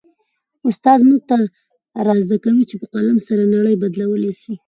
استاد موږ ته را زده کوي چي په قلم سره نړۍ بدلولای سي.